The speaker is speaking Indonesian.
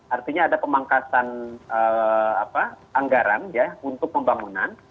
artinya ada pemangkasan anggaran ya untuk pembangunan